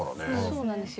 そうなんですよ。